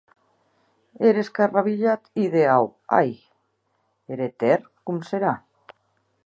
Er escarrabilhat ideau, ai!, er etèrn com serà?